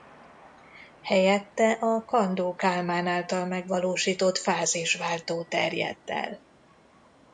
Helyette a Kandó Kálmán által megvalósított fázisváltó terjedt el.